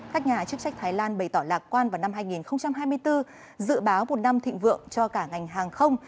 các nhà chức trách thái lan bày tỏ lạc quan vào năm hai nghìn hai mươi bốn dự báo một năm thịnh vượng cho cả ngành hàng không